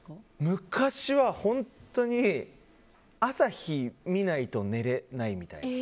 昔は本当に朝日を見ないと寝れないみたいな。